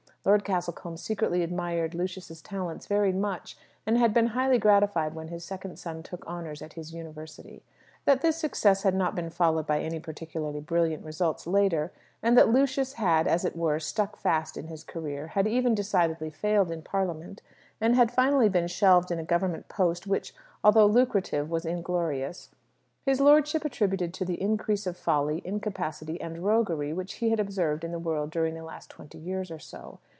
Lord Castlecombe secretly admired Lucius's talents very much, and had been highly gratified when his second son took honours at his University. That this success had not been followed by any particularly brilliant results later, and that Lucius had, as it were, stuck fast in his career, had even decidedly failed in Parliament, and had finally been shelved in a Government post which, although lucrative, was inglorious, his lordship attributed to the increase of folly, incapacity, and roguery which he had observed in the world during the last twenty years or so.